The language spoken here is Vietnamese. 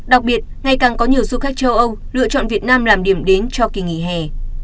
đặc biệt ngày càng có nhiều du khách châu âu lựa chọn việt nam làm điểm đến cho kỳ nghỉ hè